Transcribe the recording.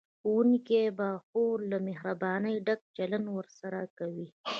ښوونکي به خورا له مهربانۍ ډک چلند ورسره کوي